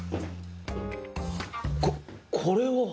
ここれは！